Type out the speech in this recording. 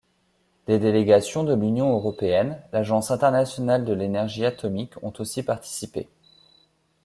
Des délégations de l'Union européenne, l'Agence internationale de l'énergie atomique ont aussi participé.